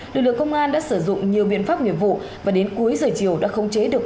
lực lượng công an đã sử dụng nhiều biện pháp nghiệp vụ và đến cuối giờ chiều đã không chế được